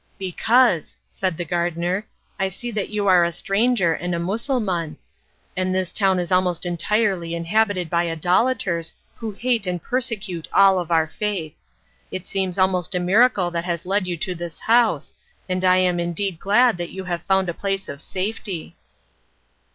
"Because," said the gardener, "I see that you are a stranger and a Mussulman, and this town is almost entirely inhabited by idolaters, who hate and persecute all of our faith. It seems almost a miracle that has led you to this house, and I am indeed glad that you have found a place of safety."